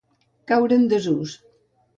Caure en desús.